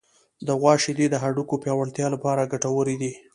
د غوا شیدې د هډوکو پیاوړتیا لپاره ګټورې دي.